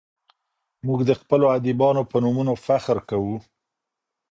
موږ د خپلو ادیبانو په نومونو فخر کوو.